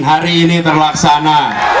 hari ini terlaksana